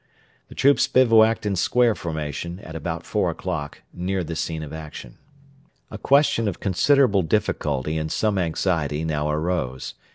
The troops bivouacked in square formation, at about four o'clock, near the scene of action. A question of considerable difficulty and some anxiety now arose.